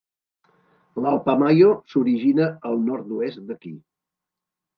L'Alpamayo s'origina al nord-oest d'aquí.